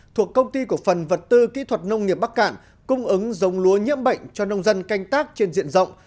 thuộc công ty cổ phần vật tư kỹ thuật nông nghiệp bắc cạn cung ứng giống lúa nhiễm bệnh cho nông dân canh tác trên diện rộng